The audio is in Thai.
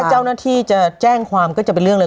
เจ้าหน้าที่จะแจ้งความก็จะเป็นเรื่องเลย